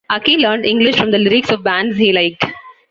Aki learned English from the lyrics of bands he liked.